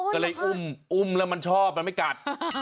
ก็เลยอุ้มอุ้มแล้วมันชอบมันไม่กัด